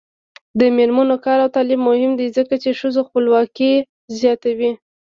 د میرمنو کار او تعلیم مهم دی ځکه چې ښځو خپلواکي زیاتوي.